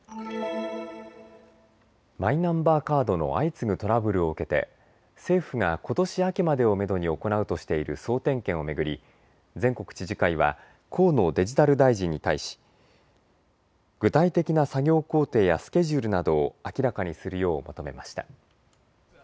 マイナンバーカードの相次ぐトラブルを受けて政府がことし秋までをめどに行うとしている総点検を巡り全国知事会は河野デジタル大臣に対し、具体的な作業工程やスケジュールなどを明らかにするよう求めました。